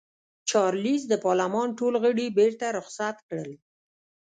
چارلېز د پارلمان ټول غړي بېرته رخصت کړل.